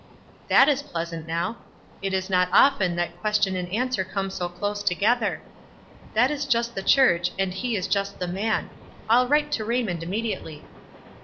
"That is pleasant now. It is not often that question and answer come so close together. That is just the church, and he is just the man. I'll w T rite to Raymond im mediately."